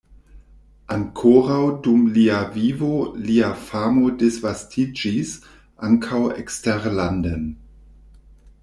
Ankoraŭ dum lia vivo lia famo disvastiĝis ankaŭ eksterlanden.